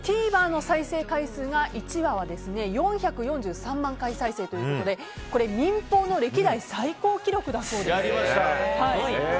ＴＶｅｒの再生回数が１話は４４３万回再生ということで民放の歴代最高記録だそうです。